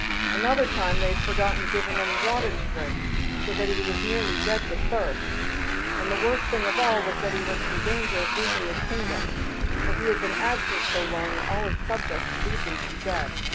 Another time they had forgotten to give him any water to drink, so that he was nearly dead with thirst; and the worst thing of all was that he was in danger of losing his kingdom, for he had been absent so long that all his subjects believed him to be dead.